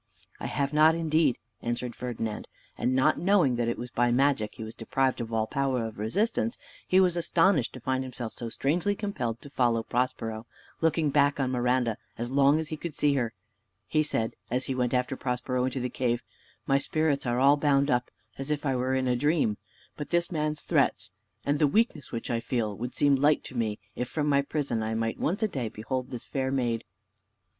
"I have not indeed," answered Ferdinand; and not knowing that it was by magic he was deprived of all power of resistance, he was astonished to find himself so strangely compelled to follow Prospero: looking back on Miranda as long as he could see her, he said, as he went after Prospero into the cave, "My spirits are all bound up, as if I were in a dream: but this man's threats, and the weakness which I feel, would seem light to me if from my prison I might once a day behold this fair maid."